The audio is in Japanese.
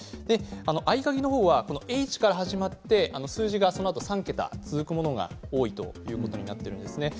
合鍵の方はＨから始まって数字がそのあと３桁続くものが多いということになってるんですね。